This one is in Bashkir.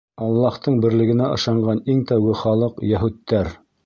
Аллаһтың берлегенә ышанған иң тәүге халыҡ — йәһүдтәр.